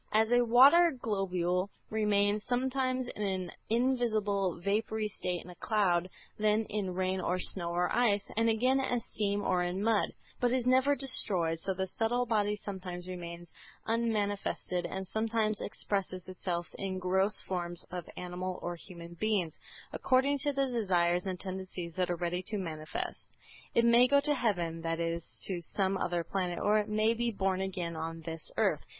As a water globule remains sometimes in an invisible vapory state in a cloud, then in rain or snow or ice, and again as steam or in mud, but is never destroyed, so the subtle body sometimes remains unmanifested and sometimes expresses itself in gross forms of animal or human beings, according to the desires and tendencies that are ready to manifest. It may go to heaven, that is, to some other planet, or it may be born again on this earth.